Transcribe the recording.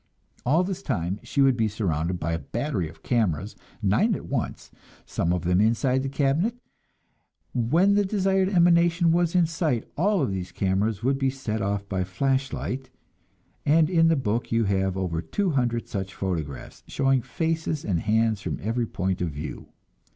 All this time she would be surrounded by a battery of cameras, nine at once, some of them inside the cabinet; and when the desired emanation was in sight, all these cameras would be set off by flashlight, and in the book you have over two hundred such photographs, showing faces and hands from every point of view.